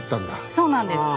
そうなんです。